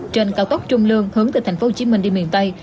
trên cao tốc trung lương hướng từ thành phố hồ chí minh đi miền tây